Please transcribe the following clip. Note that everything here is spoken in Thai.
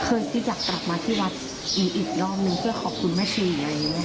เคยที่อยากกลับมาที่วัดอีกรอบหนึ่งเพื่อขอบคุณเมื่อชีวิตใหม่